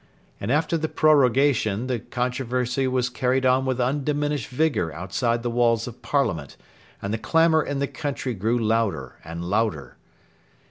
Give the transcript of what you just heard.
And after the prorogation the controversy was carried on with undiminished vigour outside the walls of Parliament, and the clamour in the country grew louder and louder.